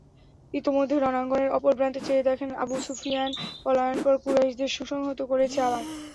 ইতোমধ্যে রণাঙ্গনের অপর প্রান্তে চেয়ে দেখেন, আবু সুফিয়ান পলায়নপর কুরাইশদের সুসংহত করেছে আবার।